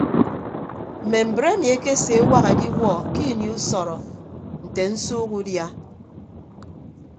Mme mbre emi ekeseewak ediwuọ ke ini usọrọ nte nsuuk udia.